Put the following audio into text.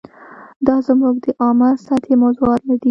دا زموږ د عامه سطحې موضوعات نه دي.